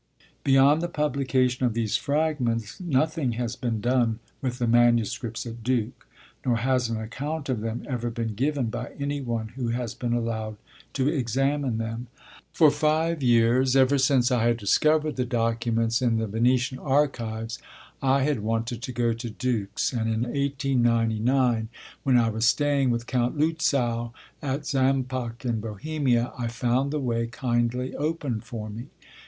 Beyond the publication of these fragments, nothing has been done with the manuscripts at Dux, nor has an account of them ever been given by any one who has been allowed to examine them. For five years, ever since I had discovered the documents in the Venetian archives, I had wanted to go to Dux; and in 1899, when I was staying with Count Lützow at Zampach, in Bohemia, I found the way kindly opened for me.